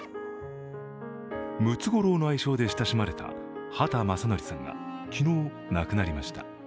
ムツゴロウの愛称で親しまれた畑正憲さんが昨日、亡くなりました。